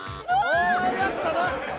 ああやったな。